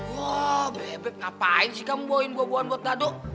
wah bebek ngapain sih kamu bawain buah buahan buat dado